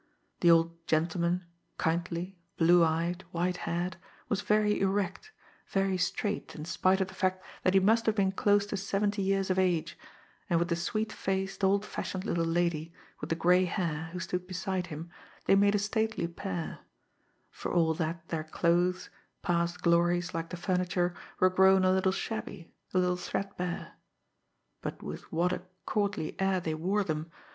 The old gentleman, kindly, blue eyed, white haired, was very erect, very straight in spite of the fact that he must have been close to seventy years of age, and with the sweet faced, old fashioned little lady, with the gray hair, who stood beside him, they made a stately pair for all that their clothes, past glories like the furniture, were grown a little shabby, a little threadbare. But with what a courtly air they wore them!